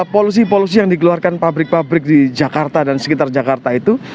polusi polusi yang dikeluarkan pabrik pabrik di jakarta dan sekitar jakarta itu